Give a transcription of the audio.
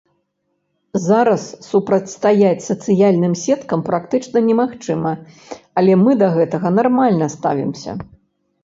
Зараз супрацьстаяць сацыяльным сеткам практычна немагчыма, але мы да гэтага нармальна ставімся.